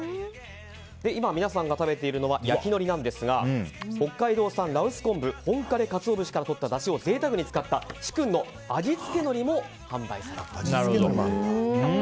今皆さんが食べているのは焼きのりなんですが北海道産羅臼昆布本枯カツオ節からとっただしをぜいたくに使った紫薫の味付けのりも販売されていると。